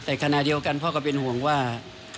แต่ขณะเดียวกันพ่อก็เป็นห่วงว่า